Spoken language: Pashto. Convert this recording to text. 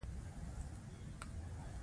تواب وپوښتل دا چونگا د څه ده ولې راته ښکاري؟